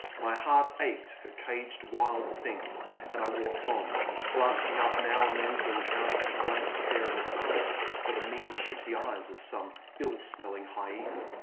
My heart ached for caged wild things, and I walked on, glancing up now and then to encounter the blank stare of a tiger or the mean shifty eyes of some ill smelling hyena.